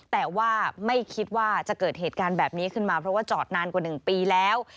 แต่ว่าไม่คิดว่าจะเกิดเหตุการณ์แบบนี้ขึ้นมาเพราะว่าจอดนานกว่า๑ปีแล้ว